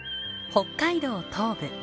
北海道東部